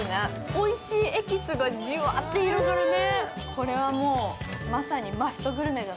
おいしいエキスがじゅわって広がるね。